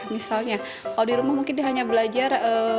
misalnya kalau di rumah mungkin dia hanya belajar